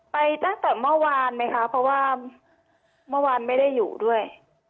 ไปตั้งแต่เมื่อวานไหมคะเพราะว่าเมื่อวานไม่ได้อยู่ด้วย